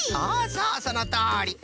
そうそうそのとおり。